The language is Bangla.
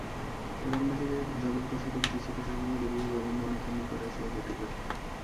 গ্রামবাসীদের যতগুলো ছেলেপিলে ছিল, সকলেই দুর্গে গোবিন্দমাণিক্যের নিকটে আসিয়া জুটিল।